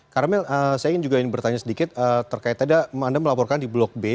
karmel saya ingin juga ingin bertanya sedikit terkait tadi anda melaporkan di blok b